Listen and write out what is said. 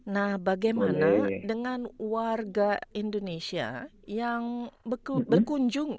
nah bagaimana dengan warga indonesia yang berkunjung